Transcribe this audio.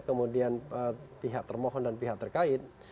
kemudian pihak termohon dan pihak terkait